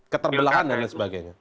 keterbelahan dan lain sebagainya